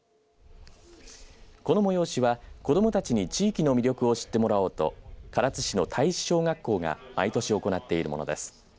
この催しは子どもたちに地域の魅力を知ってもらおうと唐津市の大志小学校が毎年行っているものです。